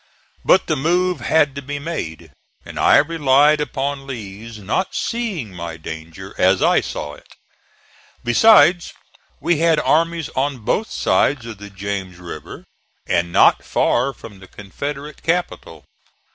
But the move had to be made, and I relied upon Lee's not seeing my danger as I saw it. Besides we had armies on both sides of the James River and not far from the Confederate capital.